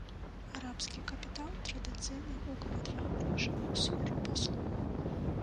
Арабскі капітал традыцыйна укладвае грошы ў сферу паслуг.